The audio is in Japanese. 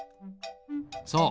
そう！